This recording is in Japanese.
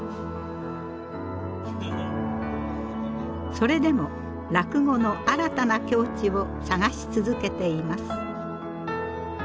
それでも落語の新たな境地を探し続けています。